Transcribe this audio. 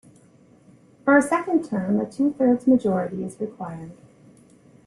For a second term, a two-thirds majority is required.